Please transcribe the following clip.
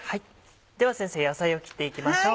では先生野菜を切っていきましょう。